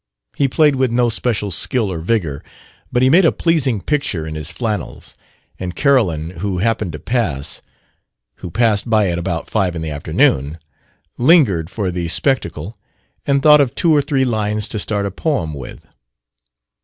He played with no special skill or vigor, but he made a pleasing picture in his flannels; and Carolyn, who happened to pass who passed by at about five in the afternoon, lingered for the spectacle and thought of two or three lines to start a poem with.